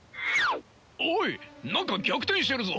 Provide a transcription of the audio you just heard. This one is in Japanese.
おい何か逆転してるぞ！